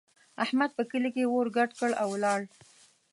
احمد په کلي کې اور ګډ کړ او ولاړ.